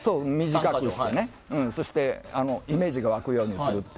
短くしてイメージが沸くようにする。